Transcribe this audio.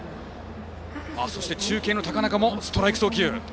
そして中継の高中もストライク送球。